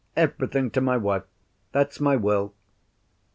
Everything to my wife. That's my Will."